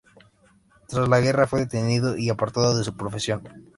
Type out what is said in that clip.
Tras la guerra fue detenido y apartado de su profesión.